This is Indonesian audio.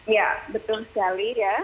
ya betul sekali ya